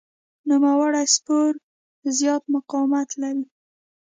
نوموړی سپور زیات مقاومت لري.